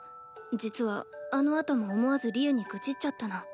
実はあのあとも思わず利恵に愚痴っちゃったの。